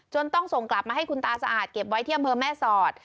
ต้องส่งกลับมาให้คุณตาสะอาดเก็บไว้ที่อำเภอแม่สอด